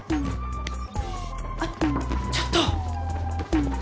あっ、ちょっと！